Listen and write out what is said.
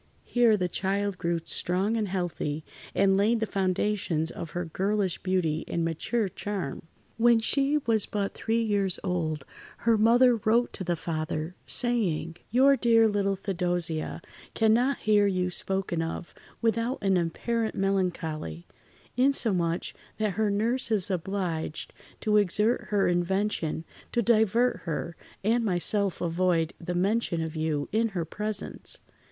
Here the child grew strong and healthy, and laid the foundations of her girlish beauty and mature charm. When she was but three years old her mother wrote to the father, saying: "Your dear little Theodosia cannot hear you spoken of without an apparent melancholy; insomuch, that her nurse is obliged to exert her invention to divert her, and myself avoid the mention of you in her presence.